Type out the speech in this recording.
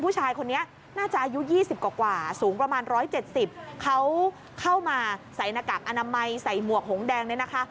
ผู้ชายคนนี้น่าจะอายุ๒๐กว่าสูงประมาณ๑๗๐เขาเข้ามาใส่หน้ากากอนามัยใส่หมวกหงแดงเนี่ยนะคะ